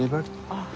ああ！